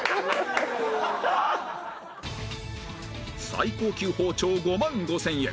最高級包丁５万５０００円